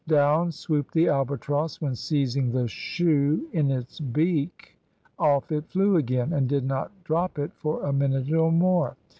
Down swooped the albatross, when seizing the shoe in its beak off it flew again, and did not drop it for a minute or more.